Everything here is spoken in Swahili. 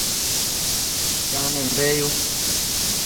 Jane Mbeyu